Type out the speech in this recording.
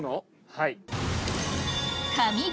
はい。